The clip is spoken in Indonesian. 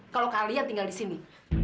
kalau kalian tinggal di sini